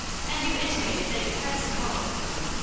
And you intimated that you had some hope."